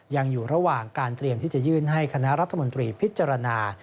ยังอยู่ระหว่างการเตรียมที่จะยื่นให้คณะรัฐมนตรีพิจารณา